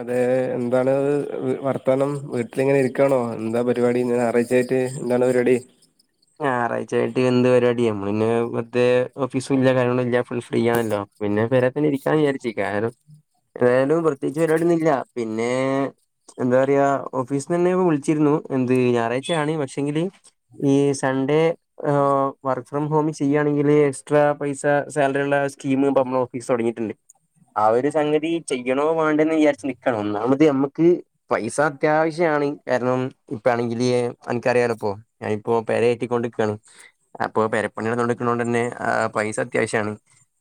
അതെ എന്താണ് വർത്താനം? വീട്ടിലിങ്ങനെ ഇരിക്കണോ? എന്താ പരിപാടി ഞായറാഴ്ച എന്താണ് പരുപാടി? ഞായറാഴ്ച ആയിട്ട് എന്ത് പരിപാടി. നമ്മളിങ്ങനേ മറ്റേ ഓഫീസും ഇല്ല കാര്യങ്ങളു ഇല്ല. ഫുൾ ഫ്രീ ആണല്ലോ പിന്നെ പെരെ തന്നെ ഇരിക്കാന്ന് വിചാരിച്ചു. കാ ലും പ്രത്യേകിച്ച് പരിപാടിയൊന്നു ഇല്ല. പിന്നെ എന്താ പറയാ ഓഫീസിന്ന് എന്നെ ഇപ്പം വിളിച്ചിരുന്നു. എന്ത് ഞായറാഴ്ചയാണ് പക്ഷെങ്കില് ഈ സൺഡേ വർ ഫ്രം ഹോം ചെയ്യുകയാണെങ്കില് എക്സ്ട്രാ പൈസ സാലറി ഉള്ള സ്കീമ്ഇഛപ്പംനമ്മടെഓഫീസ് തുടങ്ങിയിട്ടുണ്ട്. ആ ഒരു സംഗതി ചെയ്യണോ വേണ്ടന്ന് വിചാരിച്ചു നിക്കാണ്. ഒന്നാമത് നമുക്ക് പൈസ അത്യാവശ്യ കാരണം ഇപ്പ ആണെങ [unintelligible] ഞാന് ഇപ്പോ പെരയാക്കികൊണ്ടിരിക്കുവാണ് അപ്പൊ പെരപ്പണി നടന്നു കൊണ്ട്. തന്നെ പൈസ അത്യാവശ്യമാണ്.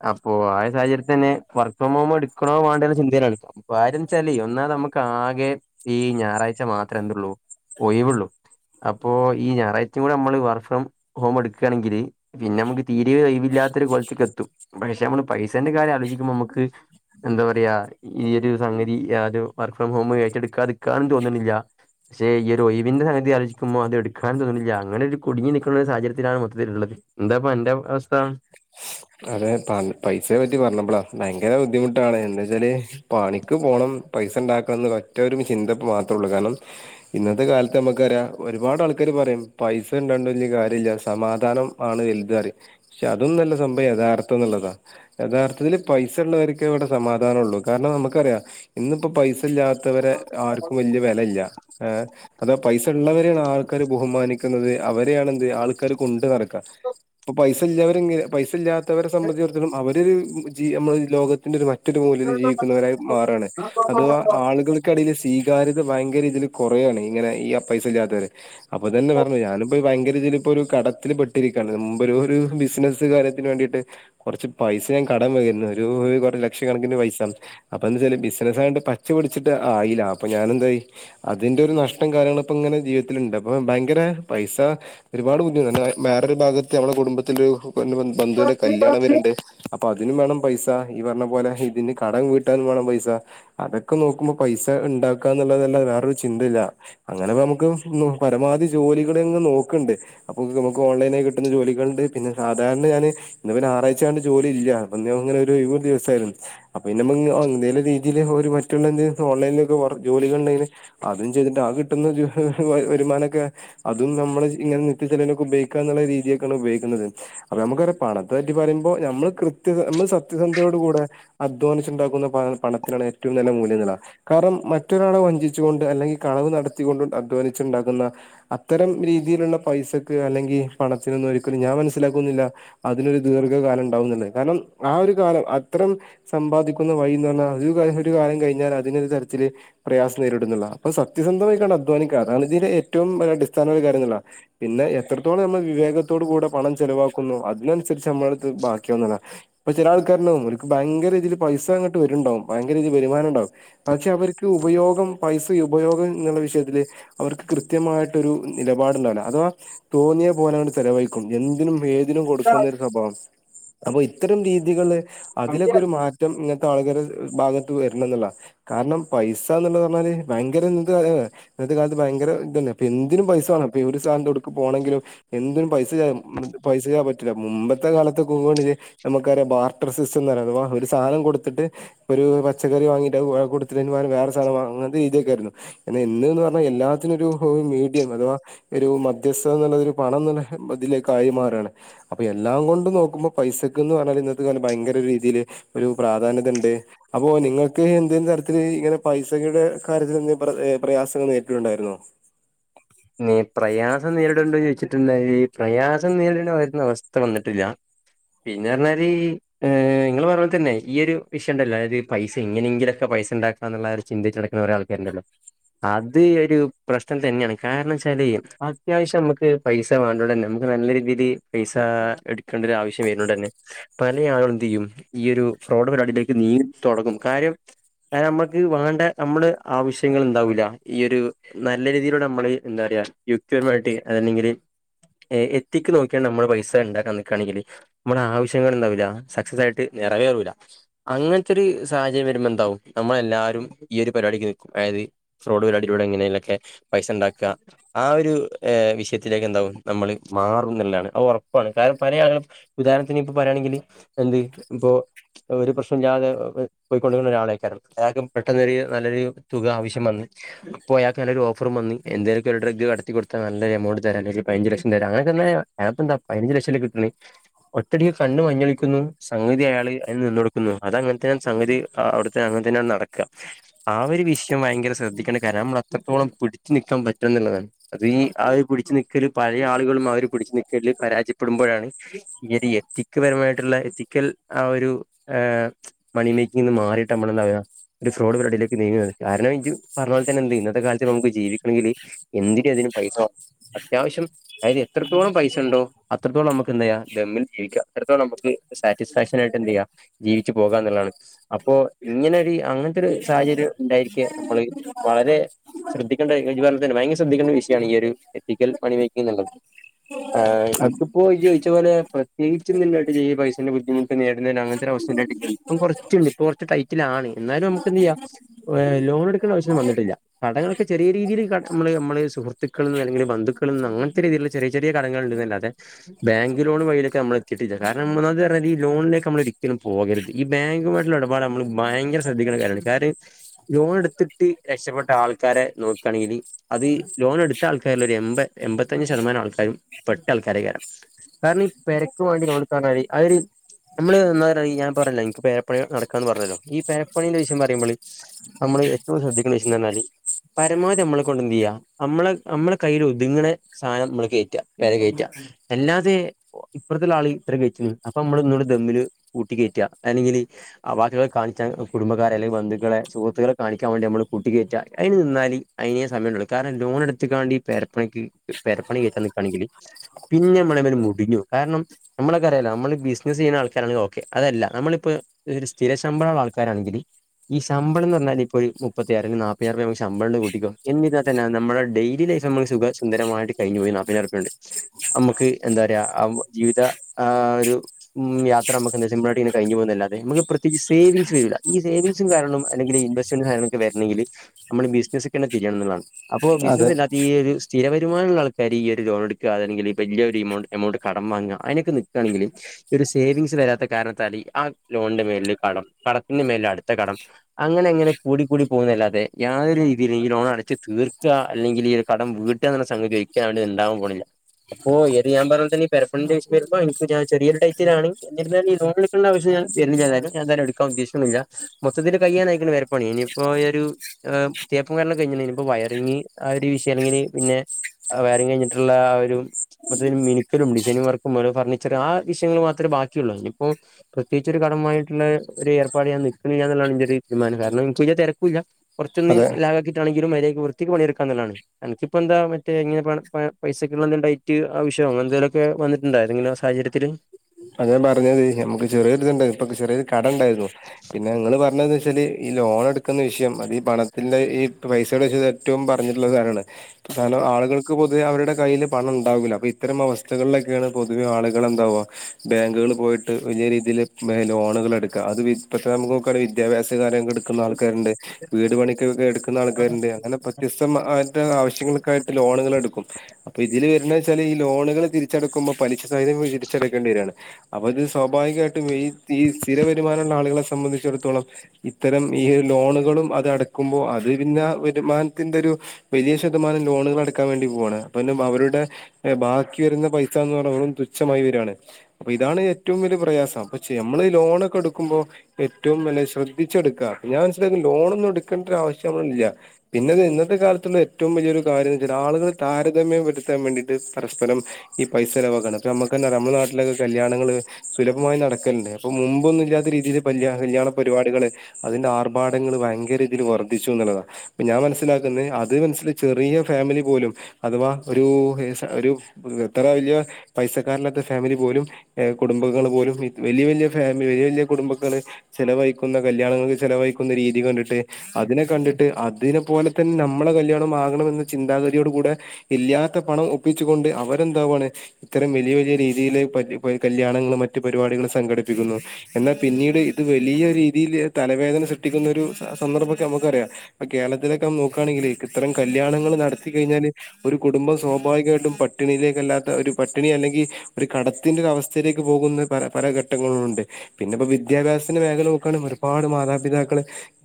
ആ ഓ ആ സാഹചര്യത്തി തന്നെ വർക്ക് ഫ്രം ഹോമ്എടുക്കണോ വേണ്ടുള്ള ചിന്തയിലാണ്. കാര്യംഎന്താ വെച്ചാലേ ഒന്നാമത് നമ്മക്ക് കെ ഈ ഞായറാഴ്ച്ച മാത്ര എന്തുള്ളൂ ഒയിവുള്ളൂ. അപ്പോ ഈ ഞായറാഴ കൂടെ നമ്മള് വർക്ക് ഫ്രം ഹോം എടുക്കയാണെങ്കിൽ പിന്നെ നമുക്ക് തീരെ ഒഴിവില്ലാത്ത ഒരുകോലത്തേക്ക് എത്തും. പക്ഷെ നമ്മള് പൈസേന്റെ കാര്യം ആലോചിക്കുമ്പോൾ നമ്മുക്ക് എന്താ പറയാ ഈഒരു സംഗതി യാരു വർക്ക് ഫ്രം ഹോം ഏറ്റെടുക്കാതിരിക്കാനും തോന്നുന്നില്ല. പക്ഷെ ഈ ഒരു ഒയിവിന്റെ സംഗതി ആലോചിക്കുമ്പോ അത് എടുക്കാനു തോണില്ല. അങ്ങനെ ഒരു കുടുങ്ങി നൽക്കണ ഒരു സാഹചര്യത്തിലാണ് മൊത്തത്തിലുള്ളത്. എന്താണിപ്പം നിന്റെ അവസ്ഥ? അതെ പ പൈസയെ പറ്റി പറഞ്ഞപ്പോളാ ഭയങ്കര ബുദ്ധിമുട്ടാണ് എന്താ വച്ചാല് പണിക്ക് പോണം പൈസ ഉണ്ടാക്കണംന്ന് ഒറ്റ ചിന്ത മാത്രമള്ളൂ കാരണം ഇന്നത്തെ കാലത്ത് നമുക്കറിയാം ഒരുപാട് ആൾക്കാ പറയും പൈസ ഉണ്ടോണ്ട് വലിയ കാര്യമില്ല സമാധാനം ആണ് വലുത് പറയും. പക്ഷെ അതും നല്ല സംഭവ യഥാർത്ഥം എന്നുള്ളതാ. യഥാർത്ഥത്തിൽ പൈസ ഉള്ളവർക്ക് ഇവിടെ സമാധാനം ഉള്ളൂ കാരണം നമുക്കറിയാം ഇന്നിപ്പോ പൈസ ഇല്ലാത്തവരെ ആർക്കും വല്യ വിലയില്ല. ആഏ് അതാ പൈസ ഉള്ളവരെയാണ് ആൾക്കാര് ബഹുമാനിക്കുന്നത് അവരെയണെന്ത് ആൾക്കാര് കൊണ്ട് നടക്ക. അപ്പൊ പൈസ ഇല്ലാവരെ പൈ ഇല്ലാത്തവരെ സംബന്ധിച്ചടത്തോളം അവര് നമ്മൾ ലോകത്തിന്റെ ഒരു മറ്റൊരു മൂല ജീവുന്നവരായി മാറയാണ്. അതവാ ആളുകൾക്കിടയില് സ്വീകാര്യത ഭയങ്കര രീതിയിൽ കുറയാണ്. ഇങ്ങനെ ഈ പൈസ ഇല്ലാത്തവരെ. അപ്പൊ തന്നെ പറഞ്ഞു ഞാനിപ്പോ ഭയങ്കര രീതിയിൽ ഇപ്പ ഒരു കടത്തിൽ പെട്ടിരിക്കയാണ്. മുമ്പൊരു ബിസിനസകാര വേണ്ടിട്ട് കുറച്ച് പൈസ ഞാൻ കടം വാങ്ങിയിരുന്നു. ഒരു ലക്ഷക്കണക്കിന് പൈസ. അപ്പ ബി ബിസിനസ് അങ്ങോട്ടപച്ചപിടിട്ട് ആയില്ല അപ്പൊ ഞാനെന്തായി അതിന്റെ ഒരു നഷ്ടം കാര്യങ്ങളു ഇപ്പോ ഇങ്ങനെ ജീവിതത്തിത്തിലുണ്ട അപ്പംഭയങ്കര പൈസ ഒരുപാട് ബുദ്ധിമൂട് വേറൊരു ഭാഗത്ത് നമ്മടെ കുടുംബത്തൊരു പെൺ ബന്ധുവിനെ കല്യാണം വരുണ്ട്. അപ്പൊ അതിനും വേണം പൈസ ഈ പറഞ്ഞ പോലെ ഇതിന് കടം വിട്ടാനും വേണം പൈസ. അതൊക്കെ നോക്കുമ്പോ പൈസ പൈസ ഉണ്ടാക്ക എന്നുള്ളതെല്ല വേറൊരു ചിന്തയില്ല അങ്ങനെ നമുക്ക് നു പരമാധി ജോലികൾങ്ങ് നോക്കുന്നുണ്ട്. അപ്പൊ നമുക്ക് ഓൺലൈനായി കിട്ടുന്ന ജോലികളുണ്ട്. പിന്നെ സാധാരണ ഞാന് ഇന്ന് ഞാറഴ്ചായോണ്ട് ജോലി ഇല്ല അപ്പ ഇങ്ങനെരുയിവ് ദിവസായിരുന്നു. അപ്പൊ പിന്ന എന്തേ രീതിയിൽ പേലെത്തന്നെ മറ്റുള്ള ഓൺലൈിലെ വർ ജോലകൾ അത്ചെയ്തിട്ട് ആ കിട്ടുന്ന ക്കെ അതും നമ്മള് ഇങ്ങനെ നിത്യ ചെലെവിലൊക്കെ ഉപയോഗിക്കുക. എന്നുള്ള രീതിക്കാണ് ഉപയോഗിക്കുന്നത്. അപ്പൊ നമു പണത്തെ പറ്റി പറയുമ്പോൾ നമ്മൾ കൃത്യ നമ്മൾ സത്യസന്ധതയോടു കൂടെ അധ്വാനിച്ചുണ്ടാക്കുന്ന പണത്തിന ഏറ്റവും നല്ല മൂല്യനില കാരണം മറ്റൊരാളെ വഞ്ചിച്ചുകൊണ്ട്. അല്ലെങ്കിൽ കളവ് നടത്തി കൊണ്ട് അധ്വാനിച്ചുണ്ടകുന്ന അത്തരം രീതിയിലുള്ള പൈസക്ക് അല്ലെങ്കിൽ പണത്തിനൊന്നും ഒരിക്കലും ഞാൻ മനസ്സിലാക്കുന്നില്ല അതിനൊരു ദീർഘകാലം ഉണ്ടാവുംന്ന് കാരണം ആ ഒരു കാലം അത്രരം സമ്പാദിക്കുന്ന വഴിന്ന് പറഞ്ഞാൽ ഒരു കാലം കഴിഞ്ഞാൽ അതിനൊരു തരത്തില്ൽ പ്രയാസം നേരിടുന്നള്ള അപ്പൊ സത്യസന്ധമായിക്ക അധ്വാനിക്ക അതാണ് ഇതിൽ ഏറ്റവും അടിസ്ഥാന കാര്യംപിന്നെ എത്രത്തോളം നമ്മൾ വിവേകത്തോടു കൂടെ പണം. ചെലവാക്കുന്നോ അ ഇതിനനുസരിച്ച് നമ്മള അടുത്ത് ബാക്കിയന്നത ഇപ്പ ചില ആൾക്കാരുണ്ടാവും. ഒൽക്ക് ഭയങ്കരീതിയിൽ പൈസ അങ്ങോട്ട് വരുണ്ടാവും ഭയങ്കര വരുമാനംണ്ടാവും. പക്ഷെ അവർക്ക് ഉപയോഗം പൈസ ഉപയോഗം എന്നുള്ള വിഷയത്തില് അവർക്ക് ഒ കൃത്യമായിട്ടൊ ഒരു നിലപാടുണ്ടാവോ അഥവാ തോന്നിയ പോല ചെലവഴിക്കും. എന്തിനും ഏതിനും ഒരു കൊടുക്കുന്ന സ്വഭാവം അപ്പൊ ഇത്തരം രീതികള് അതിലൊക്കെ ഒരു മാറ്റം എന്നാ ആളുകള്‌ ഭാഗത്ത് വരണം എന്നുള്ള കാരണം പൈസനപറഞ്ഞാല് ഭയങ്കര എ ഇന്നത്തെ കാലത്ത് ഭയങ്കര ഇതന്നെ, അപ്പൊ എന്തിനും പൈസ വേണം ഇപ്പൊ ഒരു സാധനം എവ്ടുക്ക് പോണമെങ്കിലും എന്തിനും പൈസ ഉം പൈസല്ലാ മുമ്പത്തെ കാലത്ത് പോമണങ്കി നമുക്ക്ബാർട്ടർ സിസ്റ്റം അഥവാ ഒരു സാധനം കൊടുത്തിട്ട് ഒരു പച്ചക്കറി വാങ്ങീട്ട് കൊടുത്തിട്ടരു വേറെ സാനം അങ്ങനത്തെ രീതിയൊക്ക ആയിരുന്നു. എന്നാ ഇന്ന് പറഞ്ഞാ എല്ലാത്തിനും ഒരു മീഡിയം അഥവാ ഒരു മധ്യസ്ഥ എന്നുള്ള ഒരു പണം തന്നെ, അതിലേക്കായി മാറാണ്. അപ്പൊ എല്ലാം കൊണ്ട് നോക്കുമ്പോ പൈസക്കന്ന് പറഞ്ഞാല് ഇന്നത്തെ ഭയങ്കര രീതിയില് ഒരു പ്രാധാന്യതുണ്ട്. അപ്പൊ നിങ്ങൾക്ക് എന്തും തരത്തില്ൽ ഇങ്ങനെ പൈസയുടെ കാര്യത്തിൽ എന്ത് പ്രയാസങ്ങൾ നേരിട്ടിട്ടുണ്ടായിരുന്നോ? നീ പ്രയാസം നേരിടേണ്ടന്ന് ചോദിച്ചിട്ടുണ്ട ഈ പ്രയാസം നേരിടേണ്ട വരുന്ന അവസ്ഥ വന്നിട്ടില്ല. പിന്നെ പറഞ്ഞാല് നിങ്ങള് പറഞ്ഞ തന്നെ ഈ ഒരു വിഷയം ഉണ്ടല്ലോ അതത് പൈസ എങ്ങനെങ്കിലുംക്കെ പൈസ ഉണ്ടാക്ക എന്നുള്ള ചിന്തി നടക്കുന്നൾക്കാരുണ്ടല്ലോ അത് ഒരു പ്രശ്നം തന്നെയാണ്. കാരണച്ചാല് അത്യാവശ്യം നമുക്ക് പൈസ വേണ്ടന്നെ നമുക്ക് നല്ല രീതിയിൽ പൈസ എടുക്ക ആവശ്യം വരുന്നണ്ട് തന്നെ പല ആളുകളും എന്ത് ചെയ്യും ഈയൊരു ഫ്രോഡ് പരിപാടിയിലേക്ക് നീങ്ങി തുടങ്ങും കാര്യം അ നമ്മക്ക് വേണ്ട നമ്മള് ആവശ്യങ്ങൾ ഉണ്ടാവൂല്ല. ഈ ഒരു നല്ല രീതിയിലൂടെ നമ്മള എന്താ പറയാ കൃതിയമായിട്ട് അതെല്ലങ്കില്, എത്തിക്ക് നോക്കിയാ നമ്മള് പൈസ ഉണ്ടാക്കാൻ നിക്കയാണെങ്കിൽ നമ്മുടെ ആവശ്യങ്ങൾ ഉണ്ടാവില്ല സക്സസ് ആയിട്ട് നിറവേറൂല്ല, അങ്ങനത്തെ ഒരു സാഹചര്യം വരുമ്പോ എന്താവും നമ്മളെല്ലാവാരും ഈ ഒരു പരിപാടിക്ക് നിൽക്കും. അതായത് ഫ്രോഡ് പരിപാടിയിലൂടെ എങ്ങനെക്കെ പൈസ ഉണ്ടാ ആ ഒരു വിഷയത്തിലേക്കെ എന്താവും നമ്മള് മാറുംനുള്ളതാണ് അ ഉറപ്പാണ് കാരണം പല ആളു ഉദാഹണത്തിന് ഇപ്പ പറയയാണെങ്കിൽ എന്ത് ഇപ്പോൊ ഒരു പ്രശ്നംല്ലാതെ പോയിക്കൊണ്ട നല്ലാളെക്കാരെം അയാൾക്ക് പെട്ടെന്നൊരു നല്ലൊരു തുക ആവശ്യം വന്നു അപ്പോൾ അയാൾക്ക് നല്ലൊരു ഓഫറും വന്നു എന്തായാലും ഒരു ഡ്രഗ്‌ നടത്തി കൊടുത്താ നല്ലൊ എമൗണ്ട് തരാം പതിനഞ്ച് ലക്ഷം തരാ അങ്ങനെ ക്കെ ആപ്പെന്തെ പതിനഞ്ച് ലക്ഷം കിട്ടണ് [inaudible] ഒറ്റടിക്ക് കണ്ണ് മഞ്ഞളിക്കുന്നു. സംഗതി അയാള് അതിന് നിന്ന കൊടുക്കുന്നു. അത് അങ്ങനത്തെസംഗതി അവിടുത്തെ അങ്ങനെത്തെ നടക്കുക ആ ഒരു വിഷയം ഭയങ്കര ശ്രദ്ധിക്കണ്ട കാരണം നമ്മത്രത്തോളം പിടി പിടിച്ച് നിക്കാൻ പറ്റന്നുള്ളതാണ് അത് ഈ ആര് പിടിച്ച് നൽക്കല് പഴയ ആളുകളും അവര് പിടിച്ച് നിക്കല് പരാജയപ്പെടുമ്പോൾ വരാണ് ഇവരീ എത്തിക്ക് പരമായിട്ടുള്ള എത്തിക്കൽ ആ ഒരു ആ പണി ചെ മാറിട്ട് നമ്മള് എന്താകാ ഒരു ഫ്രോഡ് പരിപാടിയിലേക്ക് നീങ്ങ. കാരണം ജ് പറഞ്ഞ പോലെതന്നെ എന്ത് ഇന്നത്തെ കാലത്ത് നമുക്ക് ജീവിക്ക ണെങ്കിൽ എന്തിന് ഏതിനും പൈസ വേ അത്യാവശ്യം അതായത് എത്രത്തോളം പൈസ ഉണ്ടോ അത്രത്തോളം നമുക്ക് എന്തയ്യാ ദമ്മിൽ ജീവിക്കാം. അത്രത്തോളം നമുക്ക് സാറ്റിസ്ഫാക്ഷൻ ആയിട്ട് എന്ത് ചെയ്യാ ജീവിച്ചു പോകാ എന്നുള്ളതാണ് അപ്പോ ഇങ്ങനെ ഒരു അങ്ങനത്തെ ഒരു സാഹചര്യം ണ്ടായിരിക്കെ നമ്മള് വളരെ ശ്രദ്ധ ഇജ് പറഞ്ഞ പോലെ ഭയങ്കര ശ്രദ്ധിക്കേണ്ട വിഷയമാണ് ഈ ഒരു എത്തിക്കൽ മണി മക്കി എന്നുള്ളത്. ആ ഇപ്പപ്പോയി ജോയി- അതുപോലെ പ്രത്യേഗിച്ചു ചെയ്യ പൈസന്റെ ബുദ്ധിമുട്ട് നേടുന്ന അങ്ങനത്തെര വസ്ഥ ഉയിട്ട് ഇപ്പ കുറച്ചുണ്ട് കുറ ടൈറ്റിലാണ് എന്നാലും നമുക്ക് എന്ത് ചെയ്യ ലോൺ എടുക്ക അവശ്യം വന്നിട്ടില്ല കട ഇ ചെറിയ രീതിൽ നമ്മള് നമ്മൾ സുഹൃ ത്തുക്കൾ നിന്ന് അല്ലെങ്കിൽ ബന്ധുക്കൾ ന്ന് അങ്ങനത്തെ രീതിലുള്ള ചെറിയ ചെിയ കടങ്ങൾ ഉണ്ട്ന്നല്ലാതെ ബാങ്ക് ലോൺ വഴിയിലേക്കെ നമ്മ എത്തിട്ടില്ല കാരണം ന്താ പറഞ ഈ ലോണിലേക്ക് നമ്മള ഒരിക്കലും പോകരുത് ഈ ബാങ്ക് ട്ടുള്ള ഇടപാട് നമ്മള് ഭയങ്കര ശ്രദ്ധിക്ക കാര്യമാണ് കാര്യം ലോൺ എടുത്തിട്ട് രക്ഷപ്പെട്ട ആൾ ആൾക്കാരെ നോക്കുകയാണെങ്കിൽ അത് ലോൺ എടുത്ത ആൾക്കാരിൽ ഒരു എമ്പത് എമ്പതഞ് ശതമാനം ആൾക്കാരും പെട്ട കാരണം ഈ പെരക്ക് വേണ്ടി ലോൺ എട്ക്കാറഞ്ഞാൽ നമ്മള് എന്താ പറ ഞാൻ പറഞ്ഞല്ലോ എനിക്ക് പേരപ്പണി നടക്കാന്ന് പറഞ്ഞല്ലോ ഈ പേരപ്പണിന്റെ വിഷയം പറയുമ്പോള നമ്മ ഏറ്റവും ശ്രദ്ധിക്കണ്ട വിഷയം ന്ന് പറഞ്ഞാൽ പരമാവധി നമ്മളെ കൊണ്ട് എന്ത് ചെയ്യ നമ്മളെ നമ്മളെ കയ്യിൽ ഒതുങ്ങ്ണ സാധനം നമ്മള് കയറ്റ പേര കേറ്റ അല്ലാതെ ഇപ്പറത്തെുള്ള ആള് ഇത്ര കേറ്റി അപ്പൊ നമ്മള് ഇങ്ങട്ട് ദമ്മിൽ കൂട്ടി കേറ്റ അല്ലെങ്കിൽ [unintelligible] കാണിച്ച കുടബക്കാരെ ല്ലെങ്കി ബന്ദുക്കളെ സുഹൃത്തുക്കളെ കാണിക്കാൻ വേണ്ടി നമ്മള് കൂട്ടി കയറ്റ അതിന് നിന്നാലല് അതിനേ സമയമണ്ടള്ളൂ കാരണം ലോൺ എടുക്കാണ്ടി പരപ്പണിക്ക് പേരപ്പണി കയറ്റാൻ നിക്കുകണെങ്കിൽ പിന്നെ നമ്മള മുടിഞ്ഞു കാരണം നമ്മളൊക്കെ അറിയാലോ നമ്മള് ബിസിനസ്സ് ചെയ്യുന്ന ആൾക്കാരാണ ഓക്കെ അതല്ല നമ്മ- പ്പൊ സ്ഥിര ശമ്പള ആൾക്കാരാണെങ്കില് ഈ ശമ്പളം ന്ന് പറഞ്ഞാൽ ഇപ്പൊര് മുപ്പത്തി ന [unintelligible] ശമ്പളണ്ട് കൂട്ടിക്കോ എന്നിരുന്നാൽ തന്ന നമ്മ ഡയിലി ലൈഫ് നമ്മു സുന്ദരമായിട്ട് കഴിഞ്ഞ പോയി നാപതിനായിരം റുപ്യാണ്ട് നമുക്ക് എന്താറയാ ജീവിത ആ ഒരു യാത്ര നമുക്ക് എന്ത സിമ്പിളയിട്ട് കഴിഞ്ഞ പോന്ന അല്ലാെ നമു പ്രത്യകിച്ച്സെവിങ്സ് വരില്ല ഈ സേവിങ്സും കാര്യങ്ങളും അല്ലെങ്കിൽ ഇൻവെറ്റ്മെന്റും കാര്യ ങ്ങളും ഒക്ക വരണങ്കിൽ നമ്മള് ബിസിനസ്സ് കെന്നെ തിരിയണം എന്നതാണ് അപ്പോ അതെ ബിസിനസ് ഇല്ലാത്ത ഈ ഒരു സ്ഥിര വരുമാനള്ളാൾക്കാർ ഈ ഒരു ലോൺ എടുക്കുക അല്ലെങ്കിൽ വലിയ ഒരു എമൗണ്ട് എമൗണ്ട് കടം വാങ്ങുക അയിനൊക്കെ നിക്കണെങ്കിൽ ഒരു സേവിങ്സ് വരാത്ത കാരണത്താൽ ആ ലോണിന്റെ മേലിൽ കടം കടത്തിന്റെ മേലിൽ അടുത്ത കടം അങ്ങനെങ്ങനെ കൂടി കൂടി പോകുന്നല്ലാതെ യാതൊരു രീതിയിലും ഈ ലോൺ അടച്ച് തീർക്കുക അല്ലെങ്കിൽ ഈ ഒരു കടം വീട്ടുക എന്നുള്ള സംഗതി ഒരിക്കലും ണ്ടാവാൻ പോണില്ല അപ്പോ ഇത് ഞാൻ പറഞ്ഞ പെരപണി ന്റെ വിഷയം വരുബോൾ ഞാൻ ചെറിയൊരു ടൈറ്റിലാണ് എന്നിരുന്നാലും ഈ ലോണെടുക്കണ്ട ആവിശ്യ രുന്നില്ലും ഞാൻ തന്നെ എടുക്കാൻ ഉദ്ദേശിക്കണില്ല മൊത്തത്തിൽ കയ്യാനായ്ക്കണ് പെരപ്പണി ഇനിയിപ്പോ ഒരു തേപ്പും കാര്യ ങ്ങളും ഒക്കെ കഴിഞ്ണ് നി ഇപ്പൊ വയറിംഗങ് ആ ഒരു വിഷയം അല്ലെങ്കിൽ പിന്നെ വയറിംഗ് കഴിഞ്ഞിട്ടുള്ള ആ ഒരു മറ്റേ മിനിക്കലും ഡിസൈനിങ് വർക്കും പോലെ ഫർണിച്ചർ ആ വിഷയങ്ങൾ മാത്രമേ ബാക്കിയുള്ളൂ ഇനിയിപ്പോം പ്രത്യേകിച്ച ഒരു കടം മായിട്ടുള്ള ഒരു ഏർാപാട് ഞാൻ നിക്കില്ല എന്നുള്ളാണ് എന്റെറെ ഒരു തീരുമാനം കാരണം എച്ച് വല്യ തെരക്കുല്ല കുറച്ചൊന്ന് അതെ ലാഗാക്കി ആണെങ്കിലും മാരിയാദിക് വൃത്തിക്ക് പണി എട്ക്കാ എന്നാണ് എനിക്കി പ്പോ എന്താ [unintelligible] അങ്ങനന്തെലൊക്കെ വിന്നിണ്ടോ ഏ തെങ്കിലും സാചര്യത്തിൽ അതെ പറഞ്ഞത് നമുക്ക് ചെറിയൊരു ഇതണ്ട് ഇപ്പ ക്ക് ചെറിയൊരു കട ഉണ്ടായിരുന്നു പിന്നെ ത് പറഞ്ഞതെന്ന് വെച്ചാല് ഈ ലോൺ എടുക്കുന്ന വിഷയം അത് ഈ പണത്തിന്റെ ഈ പൈസയുടെ [inaudible] ഏറ്റവും പറഞ്ഞിട്ടുള്ള കാര്യാണ് ആളുകൾക്ക് പൊതുവെ അവരുടെ കയ്യ്ൽ പണം ഉണ്ടാവില്ല അപ്പം ഇത്തരം അവസ്ഥകളിലൊക്കെയാണ് പൊതുവ ആ ന്താ വാ ബാങ്കുകൾ പോയിട്ട് വലിയ രീതിയിൽ ലോണുകൾ എടുക്കുക അത് ഇപ്പത്തെ നമുക്ക് നോക്ക വിദ്യാഭ്യാസ കാര്യങ്ങക്ക് എടുക്കുന്ന ആൾ ആക്കാരുണ്ട് വീട് പണി ക്ക് എടുക്കുന്ന ആൾക്കാര്ണ്ട് അങ്ങനെ വത്യസ്ഥമായിട്ട് ആവശ്യ ആശ്യങ്ങൾക്കായിട്ട് ലോണുകളെടുക്കും അപ്പൊ ഇതില് വരണ വെച്ചാല് ഈ ലോണുകള് തിരിച്ചടുക്കുമ്പോൾ പലിശ സഹിതം തിരിച്ചടക്കേണ്ടിരി വരാണ് അപ്പത് സ്വാഭാവികമായിട്ടും ഈ സ്ഥിര വരുമാനമുള്ള ആളുകളെ സംബന്ധിച്ചിടത്തോളം ഇത്തരം ഈ ലോണുകളും അത് അടക്കുമ്പോൾ അത് പിന്നെ വരുമാനത്തിന്റെ ഒരു വലിയ ശതമാനം ലോണുകൾ അടക്ക ക്കാൻ വേണ്ടി പോവാണ് അപ്പൊ പിന്നെ അവരുടെ ബാക്കി വരുന്ന പൈസന്ന് പറഞ്ഞ തുച്ഛമായി വരാണ് അപ്പൊ ഇതാണ് ഏറ്റവും വലിയ പ്രയാസം [unintelligible] നമ്മള് ലോണൊക്കെ എടുക്കുമ്പോ ഏറ്റവും വല്ല ശ്രദ്ധിച്ചെടുക്കുക ഞാൻ മനസ്സിലാക്കും ലോണ ഒന്നും എടുക്കേണ്ട ഒരു ആവശ്യം ഇില്ല പിന്നെത് ഇന്നത്തെ കാലത്തുള്ള ഏറ്റവും വലിയൊരു കാര്യംന്ന് വെച്ചാൽ ആളുകൾ താരതമ്യ വരുത്താൻ വേണ്ടിട്ട് പരസ്പരം ഈ പൈസലവാക്കാണ് ഇ നമുക്കെന്നെ അറിയ നമ്മുടെ നാട്ടിലൊക്കെ കല്യാണങ്ങള് സുലഭമായി നടക്കൽണ്ട് അപ്പൊ മുമ്പൊന്നും ഇല്ലാത്ത രീതിൽ കല്യാണ പരിപാടികള് അ ആർഭാടങ്ങൾ ഭയങ്കരീതിയിൽ വർദ്ധിച്ചു എന്നുള്ളതാണ് ഞാൻ മനസ്സിലാക്കുന്നത് അത് മനസ ചെറിയ ഫാമിലി പോലും അഥവാ ഒരു എത്ര വലിയ പൈസക്കാരില്ലാത്ത ഫാമിലി പോലും കുടുംബങ്ങൾ പോലും വലിയ വലിയ ഫാമിലി വലിയ വലിയ കുടുംബങ്ങൾ ചെലവഴിക്കുന്ന കല്യാണങ്ങൾക്ക് ചെ ചിലവഴിക്കുന്ന രീതി കണ്ടിട്ട് അതിനെ കണ്ടിട്ട് അതിനെ പോലെ തന്നെമ്മളെ കല്യാണംമാകണംമെന്ന ചിന്താ കൂടെ ഇല്ലാത്ത പണം ഒപ്പിച്ചുകൊണ്ട് അവരെന്താവുവാണ് ഇത്തരം വലിയ വലിയ രീതിയില് പ കല്യാണങ്ങളും മറ്റ് പരിപാടികും സംഘടിപ്പിക്കുന്നു. എന്നാ പിന്നീട് ഇത് വലിയ രീതിയില് തലവേദന സൃഷ്ടിക്കുന്ന ഒരു സന്ദർഭോക്കെ നമുക്കറിയാം. കേരളത്തിലക്കെ നോക്കാണെങ്കില് ഇത്തരം കല്യാണങ്ങൾ നടത്തികഴി ഞാല് ഒരു കുടുംബം സ്വാഭാവികയിട്ടും പട്ടിണിയിലേക്കല്ലാത്ത ഒരു പട്ടിണി അല്ലെങ്കി ഒരു കട ത്തിന്റ അവസ്ഥയിലേക്ക് പോകുന്ന പ പല ഘട്ടങ്ങളുംഉണ്ട്. പിന്നെ ഇപ്പോ വിദ്യാഭ്യാസത്തിന്റെ മേഖല നോക്കണെങ്കി ഒരുപാട് മാ മാതാപിതാക്കൾ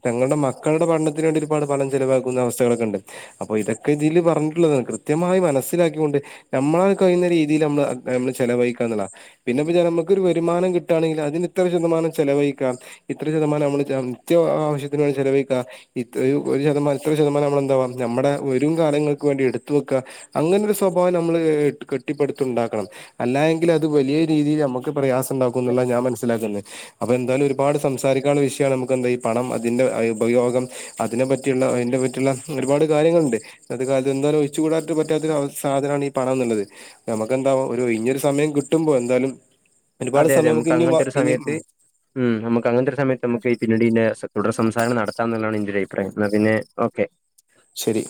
തങ്ങളുടെ മക്കളുടെ പഠനത്തിന് വേണ്ടി ഒരുപാട് പണം ചെലവാക്കുന്ന അവസ്ഥകളൊക്കെ ഉണ്ട് അപ്പോ ഇതൊക്കെ ഇതിൽ പറഞ്ഞിട്ടുള്ളതാണ് കൃത്യമായി മനസ്സിലാക്കി കൊണ്ട് നമ്മളാ കഴിയുന്ന രീതിയില് നമ്മൾ നമ്മള് ചെലവഴ ക്കാന്നുള്ള പിന്നെ നമുക്ക് ഒരു വരുമാനം കിട്ടുകണെങ്കില് അതിന് ഇത്ര ശതമാനം ചിലവഴിക്കാം. ഇത്ര ശതമാനം നമു നിത്യ ആവശ്യത്തിന് വേണ്ടി ചെലവഴിക്കുക. ഒരു ശതമാനം ഇത്ര ശതമാനം നമ്മള എന്താവാ നമ്മുടെ ഒരു കാലങ്ങക്ക് വേണ്ടി എടുത്ത വെക്ക അങ്ങനെ ഒരു സ്വഭാവം നമ്മൾ കെട്ടിപ്പടുത്തുണ്ടാക്കണം. അല്ലാ എ അത് വലിയ രീതില് നമുക്ക് പ്രയാസ ഉണ്ടാക്കുംന്നുള്ള ഞാൻ മനസിലാക്കുന്നത്. അപ്പ എന്തായാലും ഒരുപാട് സംസാരിക്കാള്ള വിഷ് നമുക്ക് എന്താ ഈ പണം അതിന്റെ ഉപയോഗം അതിനെ പറ്റിയുള്ള അതിന്റെ പറ്റിയുള്ള ഒരുപാട് കാര്യങ്ങളുണ്ട്. അത അത് എന്തായാലും ഒയിച്ച് കൂടാൻ റ്റ് പറ്റാത്തൊ സാധനാണ് ഈ പണം എന്നുള്ളത്. നമുക്ക്ന്താ ഒരു ഒഴിഞ്ഞൊരു സമയം കിട്ടുമ്പോ എന്താലും അതെ അതെ നമുക്ക് അങ്ങനത്തെ ഒരു സമയത്ത് ഉം നമുക്ക് അങ്ങനത്തെ ഒരു സമയത്ത് നമുക്ക് ഈ പിന്നടി [unintelligible] തുടർ സംസാരങ്ങൾ നടത്താം എന്നുള്ളതാണ് എന്റെ ഒരഭിപ്രായം. എന്നാ പിന്നെ ഓക്കെ. ശരി.